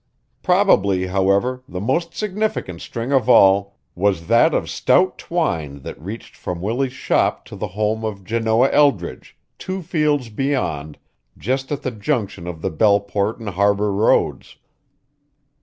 Probably, however, the most significant string of all was that of stout twine that reached from Willie's shop to the home of Janoah Eldridge, two fields beyond, just at the junction of the Belleport and Harbor roads.